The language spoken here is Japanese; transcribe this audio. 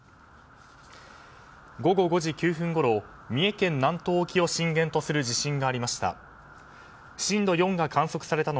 午後５時９分ごろ三重県南東沖を震源とする地震がありました。